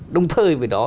đồng thời với đó